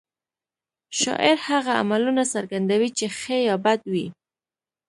شاعر هغه عملونه څرګندوي چې ښه یا بد وي